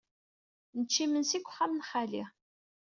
Nečča imensi deg uxxam n xali.